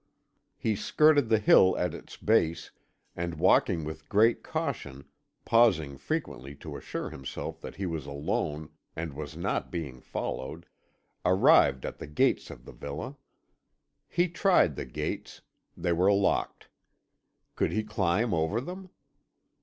He skirted the hill at its base, and walking with great caution, pausing frequently to assure himself that he was alone and was not being followed, arrived at the gates of the villa. He tried the gates they were locked. Could he climb over them?